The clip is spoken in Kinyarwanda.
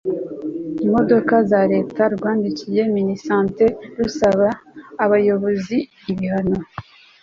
y imodoka za leta rwandikiye minisante rusabira abo bayobozi ibihano